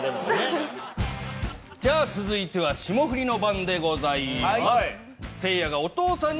じゃあ続いては霜降りの番でございます。